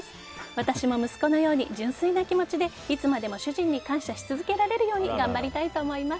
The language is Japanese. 私も息子のように純粋な気持ちでいつまでも主人に感謝し続けられるように頑張りたいと思います。